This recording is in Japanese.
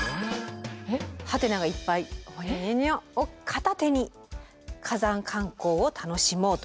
はてながいっぱい。を片手に火山観光を楽しもうと。